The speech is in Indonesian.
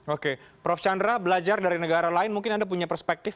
oke prof chandra belajar dari negara lain mungkin anda punya perspektif